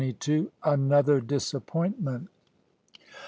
ANOTHER DISAPPOINTMENT.